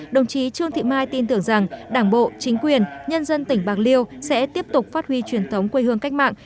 đồng chí trương thị mai tin tưởng rằng đảng bộ chính quyền nhân dân tỉnh bạc liêu sẽ tiếp tục phát huy truyền thống quê hương cách mạng